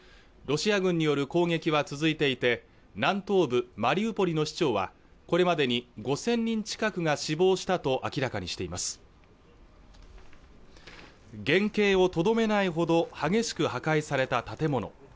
ロシア軍による攻撃は続いていて南東部マリウポリの市長はこれまでに５０００人近くが死亡したと明らかにしています原形をとどめないほど激しく破壊された建物